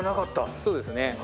そうですね。